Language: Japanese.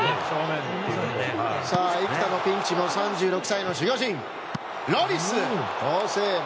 幾多のピンチも３６歳の守護神、ロリスが好セーブ！